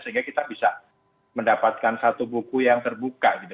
sehingga kita bisa mendapatkan satu buku yang terbuka gitu